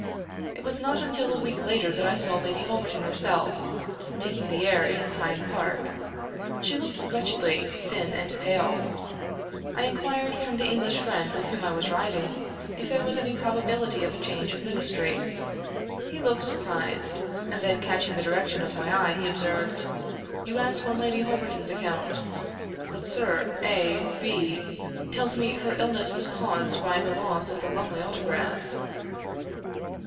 It was not until a week later that I saw Lady Holberton herself, taking the air in Hyde Park. She looked wretchedly thin and pale. I inquired from the English friend with whom I was riding, if there was any probability of a change of ministry? He looked surprised; and then catching the direction of my eye, he observed, "You ask on Lady Holberton's account; but Sir A B tells me her illness was caused by the loss of the Lumley Autograph."